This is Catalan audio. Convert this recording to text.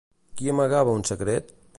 Qui amagava un secret?